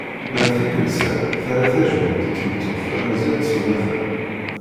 Ma d tikelt-a terra tajmilt i tmeṭṭut tamaziɣt s umata.